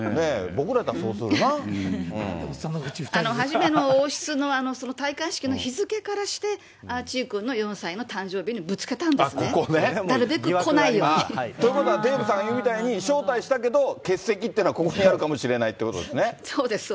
初めの王室の戴冠式の日付からして、アーチーくんの４歳の誕ここね。ということはデーブさん言うみたいに、招待したけど、欠席というのはここにあるかもしれないということですね。